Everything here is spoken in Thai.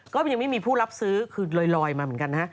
ก็ยังไม่มีผู้รับซื้อคือลอยมาเหมือนกันนะฮะ